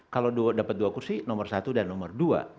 kalau dapat dua kursi nomor satu dan nomor dua